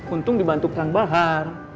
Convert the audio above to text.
untung dibantu kang bahar